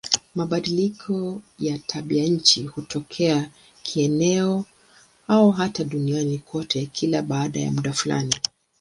Mabadiliko ya tabianchi hutokea kieneo au hata duniani kote kila baada ya muda fulani.